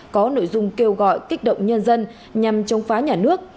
có nội dung kêu gọi kích động nhân dân nhằm chống phá nhà nước